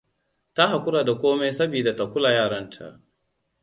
Ta haƙura da komai sabida ta kula yaranta.